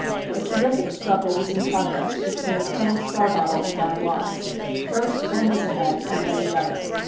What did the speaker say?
A terrific struggle was in progress between Col. Starbottle and Don Juan. First one was ahead and then the other.